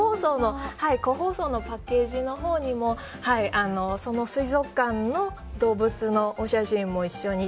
個包装のパッケージのほうにもその水族館の動物のお写真も一緒に。